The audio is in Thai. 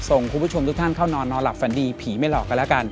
คุณผู้ชมทุกท่านเข้านอนนอนหลับฝันดีผีไม่หลอกกันแล้วกัน